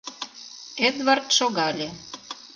Эдвард шогале.